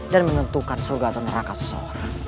dan menentukan surga atau neraka seseorang